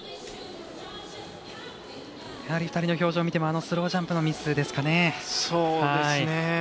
やはり２人の表情を見てもスロージャンプのミスですかね。